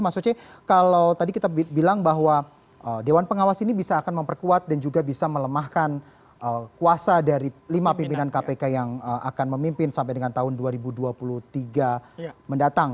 mas oce kalau tadi kita bilang bahwa dewan pengawas ini bisa akan memperkuat dan juga bisa melemahkan kuasa dari lima pimpinan kpk yang akan memimpin sampai dengan tahun dua ribu dua puluh tiga mendatang